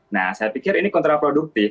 nah saya pikir ini kontraproduktif